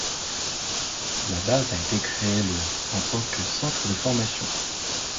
La base a été créée le en tant que centre de formation.